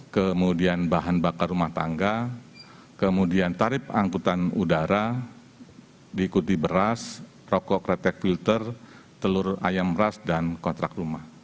kemudian bahan bakar rumah tangga kemudian tarif angkutan udara diikuti beras rokok retek filter telur ayam ras dan kontrak rumah